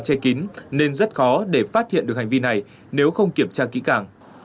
và che kín nên rất khó để phát hiện được hành vi này nếu không kiểm tra kỹ cảng